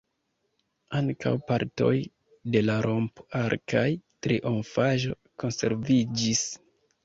Ankaŭ partoj de la romp-arkaj trionfaĵo konserviĝis.